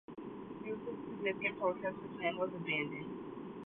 Due to significant protest the plan was abandoned.